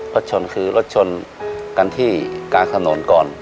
รถชนคือรถชนกันที่กลางถนนก่อน